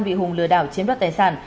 vì hùng lừa đảo chiếm đoạt tài sản